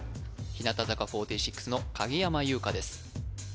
日向坂４６の影山優佳です